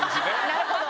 なるほど！